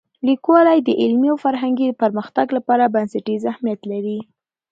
لیکوالی د علمي او فرهنګي پرمختګ لپاره بنسټیز اهمیت لري.